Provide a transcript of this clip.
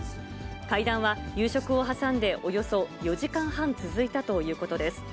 会談は夕食を挟んでおよそ４時間半続いたということです。